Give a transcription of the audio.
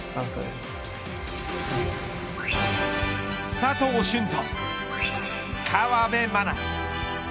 佐藤駿と河辺愛菜。